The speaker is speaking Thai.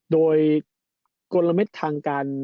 โดยกลมเม็ดทางการ